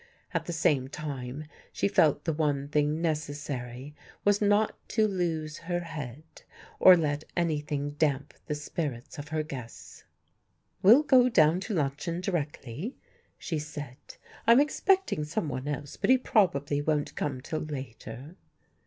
At the same time she felt the one thing necessary was not to lose her head, or let anything damp the spirits of her guests. "We'll go down to luncheon directly," she said. "I'm expecting some one else, but he probably won't come till later."